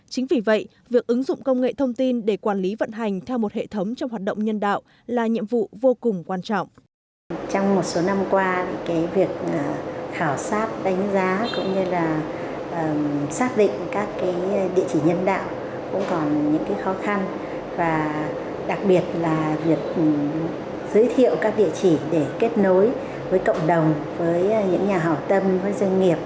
chính vì vậy việc ứng dụng công nghệ thông tin để quản lý vận hành theo một hệ thống trong hoạt động nhân đạo là nhiệm vụ vô cùng quan trọng